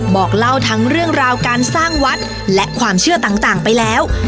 บอกเล่าทั้งเรื่องราวการสร้างวัดและความเชื่อต่างไปแล้ว